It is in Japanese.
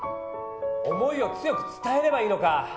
「思い」を強く伝えればいいのか！